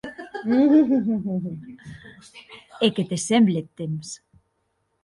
E qué te semble eth temps?